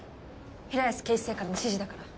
平安警視正からの指示だから。